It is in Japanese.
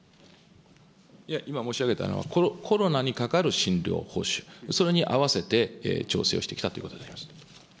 いや、今申し上げたのはコロナに関わる診療報酬、それに合わせて、調整をしてきたということであります。